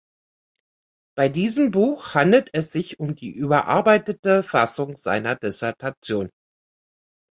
Bei diesem Buch handelt es sich um die überarbeitete Fassung seiner Dissertation.